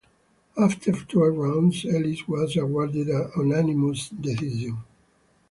After twelve rounds, Ellis was awarded a unanimous decision.